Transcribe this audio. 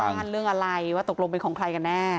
บ้านเรื่องอะไรว่าตกลงเป็นของใครกันแน่